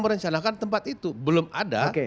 merencanakan tempat itu belum ada